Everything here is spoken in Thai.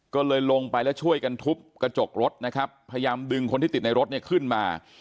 ก็เลยลงไปแล้วช่วยกันทุบกระจกรถนะครับพยายามดึงคนที่ติดในรถเนี่ยขึ้นมา